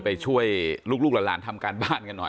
ไปช่วยลูกหลานทำการบ้านกันหน่อย